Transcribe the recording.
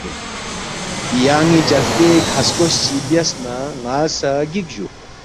یان٘ی جلتے کھسکوس چی بیاس نہ ن٘ا سہ گِک جُو